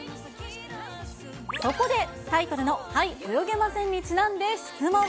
そこでタイトルの、はい、泳げませんにちなんで質問。